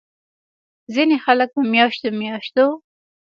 ځينې خلک پۀ مياشتو مياشتو